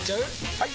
・はい！